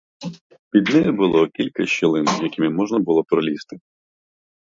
Під нею було кілька щілин, якими можна було пролізти.